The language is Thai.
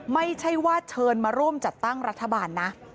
ไม่ใช่ว่าเชิญมาร่วมจัดตั้งรัฐบาลนะ